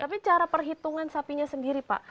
tapi cara perhitungan sapinya sendiri pak